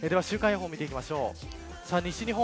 では週間予報を見ていきましょう。